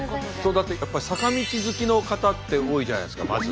やっぱり坂道好きの方って多いじゃないですかまず。